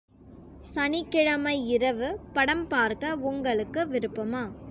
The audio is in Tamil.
சனிக்கிழமை இரவு படம் பார்க்க உங்களுக்கு விருப்பமா?